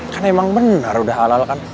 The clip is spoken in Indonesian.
kan emang benar udah halal kan